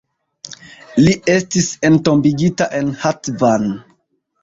Li estis entombigita en Hatvan.